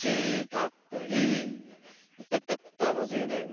たのしいね。